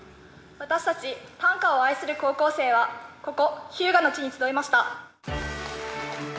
私たち短歌を愛する高校生はここ日向の地に集いました。